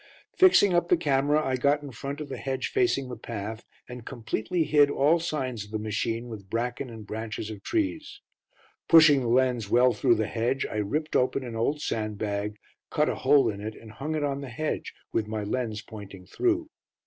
Fixing up the camera, I got in front of the hedge facing the path, and completely hid all signs of the machine with bracken and branches of trees. Pushing the lens well through the hedge, I ripped open an old sandbag, cut a hole in it and hung it on the hedge, with my lens pointing through.